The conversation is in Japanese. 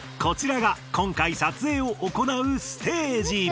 こちらが今回撮影をおこなうステージ。